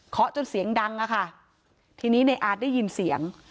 จนเสียงดังอะค่ะทีนี้ในอาร์ตได้ยินเสียง